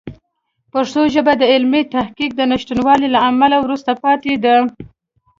پښتو ژبه د علمي تحقیق د نشتوالي له امله وروسته پاتې ده.